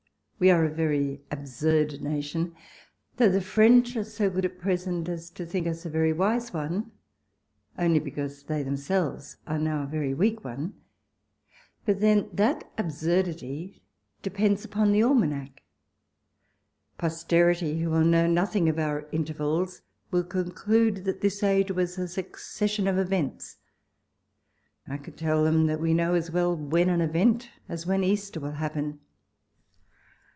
We are a very absurd nation (though the French are so good at present as to think us a very m ise one, only because they, themselves, are now a very weak one) ; but then that absurdity depends upon the almanac. Pos terity, who will know nothing of our intervals, will conclude that this age was a succession of events. I could tell them that we know as well when an event, as when Easter, will happen.